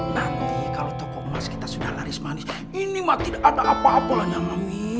nanti kalau toko emas kita sudah laris manis ini mah tidak ada apa apa lah namanya